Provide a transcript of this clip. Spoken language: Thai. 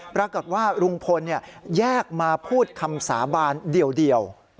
ปรากฏว่าลุงพลแยกมาพูดคำสาบานเดียว